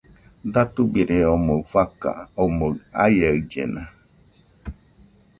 Datubirie omoi fakan omɨ aiaɨllena.